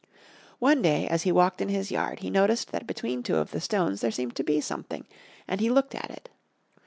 One day, as he walked in his yard, he noticed that between two of the stones there seemed to be something and he looked at it.